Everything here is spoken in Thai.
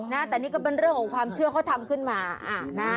นะแต่นี่ก็เป็นเรื่องของความเชื่อเขาทำขึ้นมานะ